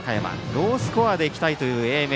ロースコアで行きたいという英明。